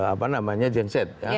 apa namanya jenset